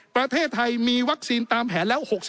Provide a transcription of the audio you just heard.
ประเทศไทยมีวัคซีนตามแผนแล้ว๖๐